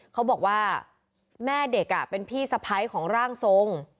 เขาบอกว่าแม่เด็กเป็นพี่สะพ้ายของร่างทรง